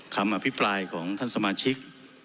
คำอภิปรายของท่านสมาชิก